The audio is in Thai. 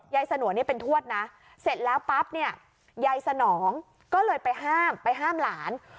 ยายสนวนเป็นทวดนะเสร็จแล้วปั๊บยายสนองก็เลยไปห้ามหลาน